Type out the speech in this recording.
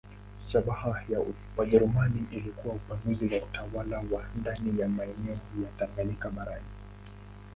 Shabaha ya Wajerumani ilikuwa upanuzi wa utawala wao ndani ya maeneo ya Tanganyika barani.